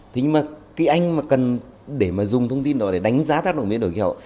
thế nhưng mà khi anh mà cần để mà dùng thông tin đó để đánh giá tác động biến đổi khí hậu